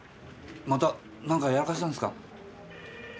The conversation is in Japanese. また何かやらかしたんですか？